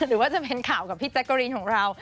หรือว่าจะเป็นข่าวกับพี่แจ๊กกะรีนของเรา